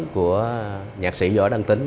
của nhạc sĩ võ đăng tín